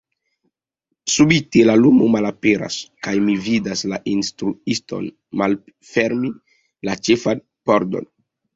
Subite la lumo malaperas, kaj mi vidas la instruiston malfermi la ĉefan pordon...